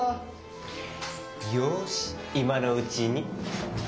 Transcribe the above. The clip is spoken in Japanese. よしいまのうちに。